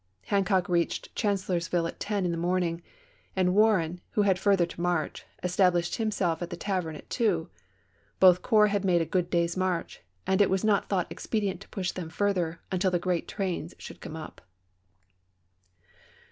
Han cock reached Chancellorsville at ten in the morning, and Warren, who had further to march, established himself at the Tavern at two ; both corps had made a good day's march, and it was not thought expedient to push them further until the great trains should come up.